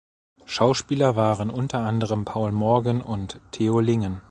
Schauspieler waren unter anderem Paul Morgan und Theo Lingen.